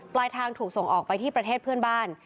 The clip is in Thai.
ปลายทางถูกส่งออกไปที่ประเทศเพื่อนบ้าน